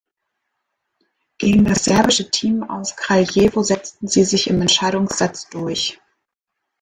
Gegen das serbische Team aus Kraljevo setzten sie sich im Entscheidungssatz durch.